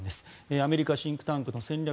アメリカシンクタンクの戦略